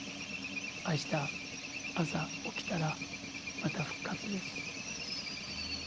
明日朝起きたらまた復活です。